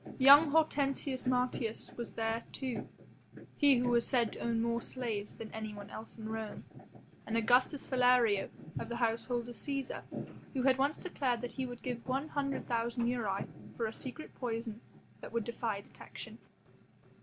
Young Hortensius Martius was there, too, he who was said to own more slaves than anyone else in Rome, and Augustus Philario of the household of Cæsar, who had once declared that he would give one hundred thousand aurei for a secret poison that would defy detection.